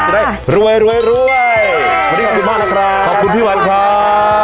จะได้รวยรวยรวยวันนี้ขอบคุณพี่วันนะครับขอบคุณพี่วันครับ